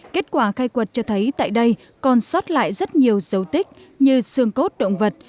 kết quả khai quật cho thấy tại đây còn sót lại rất nhiều dấu tích như xương cốt động vật